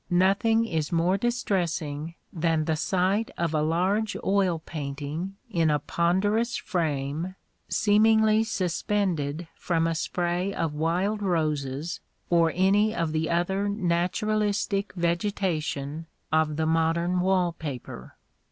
Nothing is more distressing than the sight of a large oil painting in a ponderous frame seemingly suspended from a spray of wild roses or any of the other naturalistic vegetation of the modern wall paper.